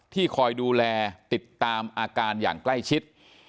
คอยดูแลติดตามอาการอย่างใกล้ชิด